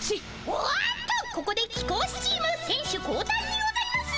おっとここで貴公子チームせん手交代にございます。